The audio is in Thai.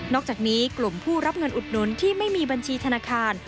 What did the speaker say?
อกจากนี้กลุ่มผู้รับเงินอุดหนุนที่ไม่มีบัญชีธนาคาร